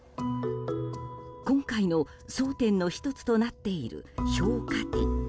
今回の争点の１つとなっている評価点。